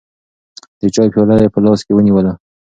د چای پیاله یې په لاس کې ونیوله.